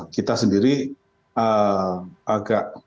kita sendiri agak